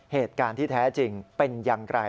เหตุการณ์ที่แท้จริงเป็นอย่างไร